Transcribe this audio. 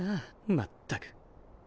まったく。